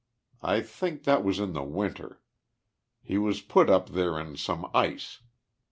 I think that was in the winter, lie was put up there in some ice.